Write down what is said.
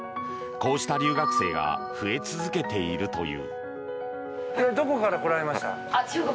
こうした留学生が増え続けているという。